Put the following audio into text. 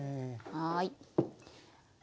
はい。